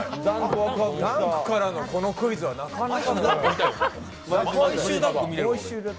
ダンクからのこのクイズはなかなか。